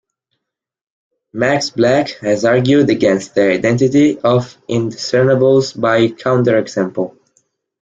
Max Black has argued against the identity of indiscernibles by counterexample.